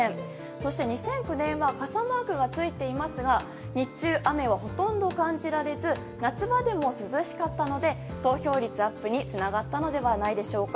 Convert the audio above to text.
そして、２００９年は傘マークがついていますが日中、雨はほとんど感じられず夏場でも涼しかったので投票率アップにつながったのではないでしょうか。